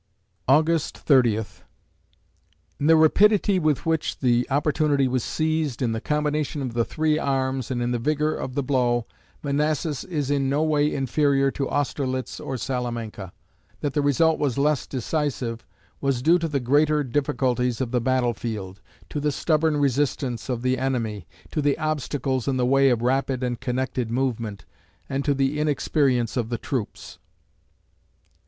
August Thirtieth In the rapidity with which the opportunity was seized, in the combination of the three arms, and in the vigor of the blow, Manassas is in no way inferior to Austerlitz or Salamanca. That the result was less decisive was due to the greater difficulties of the battle field, to the stubborn resistance of the enemy, to the obstacles in the way of rapid and connected movement, and to the inexperience of the troops.